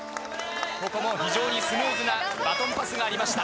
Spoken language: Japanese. ここも非常にスムーズなバトンパスがありました。